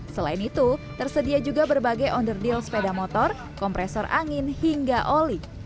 selain itu tersedia juga berbagai underdeal sepeda motor kompresor angin hingga oli